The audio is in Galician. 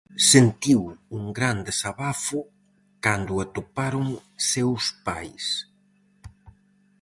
Sentiu un gran desabafo cando o atoparon seus pais.